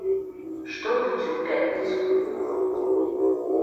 Што будзе ў пятніцу?